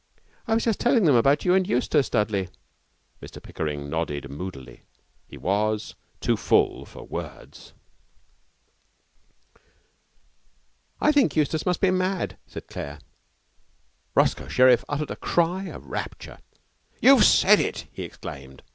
'I was just telling them about you and Eustace, Dudley.' Mr Pickering nodded moodily. He was too full for words. 'I think Eustace must be mad,' said Claire. Roscoe Sherriff uttered a cry of rapture. 'You've said it!' he exclaimed.